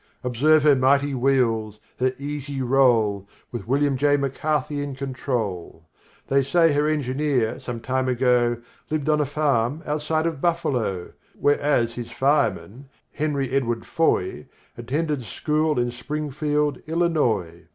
Observe her mighty wheels, her easy roll, With William J. Macarthy in control. They say her engineer some time ago Lived on a farm outside of Buffalo Whereas his fireman, Henry Edward Foy, Attended School in Springfield, Illinois.